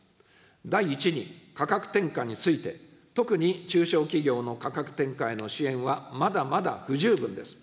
第１に、価格転嫁について、特に中小企業の価格転嫁への支援はまだまだ不十分です。